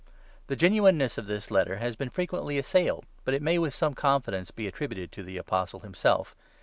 The genuineness of this Letter has been frequently assailed, but it may, with some confidence, be attributed to the Apostle himself.